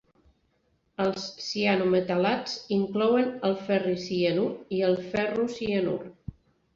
Els cianometal·lats inclouen el ferricianur i el ferrocianur.